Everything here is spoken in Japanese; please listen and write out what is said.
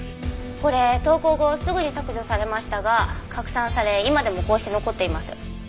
これ投稿後すぐに削除されましたが拡散され今でもこうして残っています。